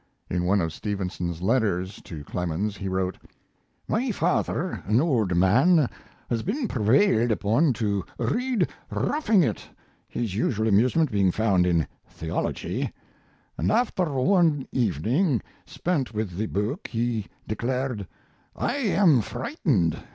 In one of Stevenson's letters to Clemens he wrote: My father, an old man, has been prevailed upon to read Roughing It (his usual amusement being found in theology), and after one evening spent with the book he declared: "I am frightened.